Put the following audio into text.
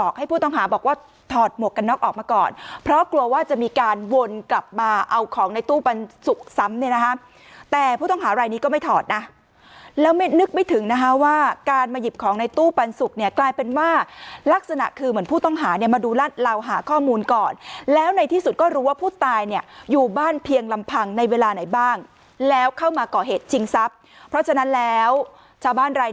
คนกลับมาเอาของในตู้ปันสุกซ้ำเนี่ยนะฮะแต่ผู้ต้องหารายนี้ก็ไม่ถอดนะแล้วไม่นึกไม่ถึงนะฮะว่าการมาหยิบของในตู้ปันสุกเนี่ยกลายเป็นว่าลักษณะคือเหมือนผู้ต้องหาเนี่ยมาดูรัดเราหาข้อมูลก่อนแล้วในที่สุดก็รู้ว่าผู้ตายเนี่ยอยู่บ้านเพียงลำพังในเวลาไหนบ้างแล้วเข้ามาก่อเหตุจริงซับเพราะฉะ